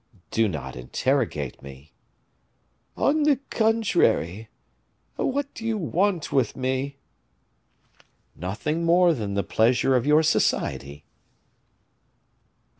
"Do not interrogate me." "On the contrary. What do you want with me?" "Nothing more than the pleasure of your society."